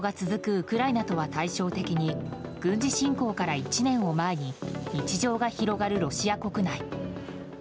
ウクライナとは対照的に軍事侵攻から１年を前に日常が広がるロシア国内。